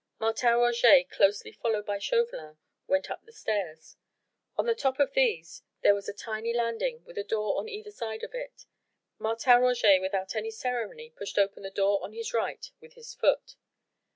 Martin Roget, closely followed by Chauvelin, went up the stairs. On the top of these there was a tiny landing with a door on either side of it. Martin Roget without any ceremony pushed open the door on his right with his foot.